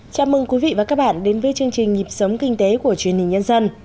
chào mừng quý vị và các bạn đến với chương trình nhịp sống kinh tế của truyền hình nhân dân